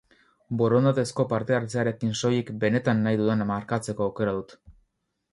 Borondatezko partehartzearekin soilik benetan nahi dudana markatzeko aukera dut.